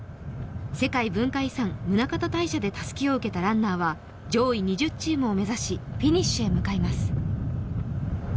世界文化遺産、宗像大社でたすきを受けたランナーは上位２０チームを目指し、フィニッシュへ向かいます。